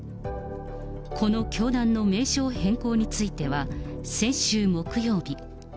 この教団の名称変更については、先週木曜日。